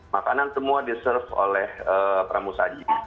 makanan semua di serve oleh pramu saji